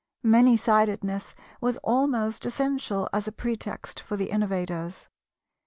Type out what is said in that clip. Many sidedness was almost essential as a pretext for the Innovators.